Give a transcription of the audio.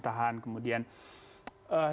saya pikir kesimpulan macam ini